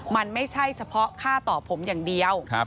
มันไม่ใช่เฉพาะค่าต่อผมอย่างเดียว